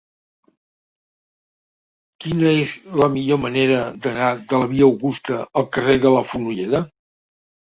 Quina és la millor manera d'anar de la via Augusta al carrer de la Fonolleda?